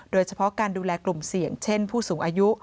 โดยเฉพาะการดูแลกลุ่มเสี่ยงเช่นผู้สูงอายุ